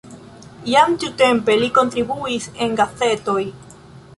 Jam tiutempe li kontribuis en gazetoj.